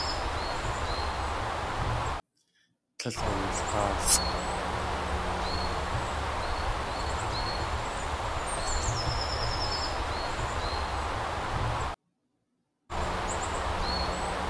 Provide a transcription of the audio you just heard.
Tlél awulg̲áasʼ.